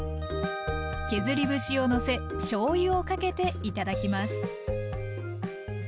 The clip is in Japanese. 削り節をのせしょうゆをかけて頂きます。